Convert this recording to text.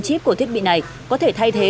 tiếp tục mua về làm công việc tái chế